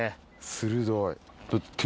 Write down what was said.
鋭い。